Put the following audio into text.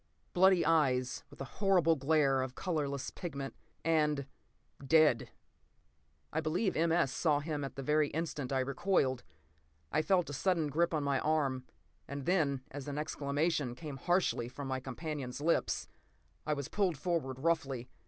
Bloody eyes, with a horrible glare of colorless pigment. And—dead. I believe M. S. saw him at the very instant I recoiled. I felt a sudden grip on my arm; and then, as an exclamation came harshly from my companion's lips, I was pulled forward roughly.